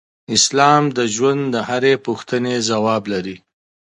اسلام د ژوند د هرې پوښتنې ځواب لري.